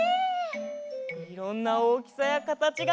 いろんなおおきさやかたちがあるんだね。